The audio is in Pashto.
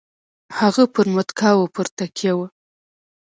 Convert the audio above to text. هغه پر متکاوو پر تکیه وه.